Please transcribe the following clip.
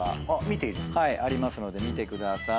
見ていいの？ありますので見てください。